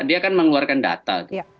dia akan mengeluarkan data